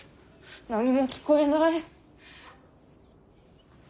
何も聞こえない。